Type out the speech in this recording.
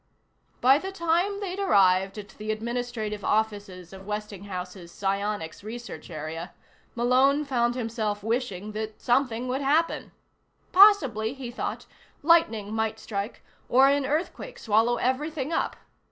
By the time they'd arrived at the administrative offices of Westinghouse's psionics research area, Malone found himself wishing that something would happen. Possibly, he thought, lightning might strike, or an earthquake swallow everything up.